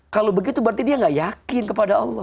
kalau begitu berarti dia gak yakin kepada allah